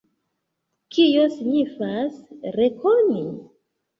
Kio signifas rekoni?